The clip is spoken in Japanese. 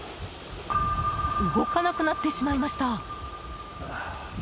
動かなくなってしまいました。